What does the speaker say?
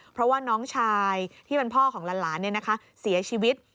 เพราะว่าน้องชายที่เป็นพ่อของหลานเสียชีวิต